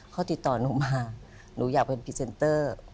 เขาติดต่อหนูมาหนูอยากเป็นพรีเซนเตอร์